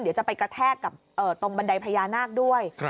เดี๋ยวจะไปกระแทกกับตรงบันไดพญานาคด้วย